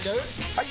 ・はい！